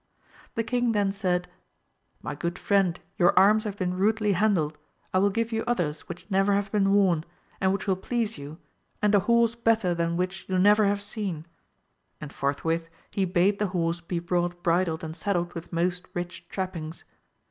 The king then said, My good friend your arms have been rudely handled, I will give you others which never have been worn, and which will please you, and a horse better than which you never have seen, and forthwith he bade the horse be brought bridled and saddled with most rich trappings.